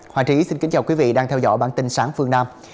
hoàng trí xin kính chào quý vị đang theo dõi bản tin sáng phương nam